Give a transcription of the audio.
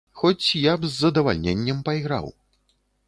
Хоць я б з задавальненнем пайграў.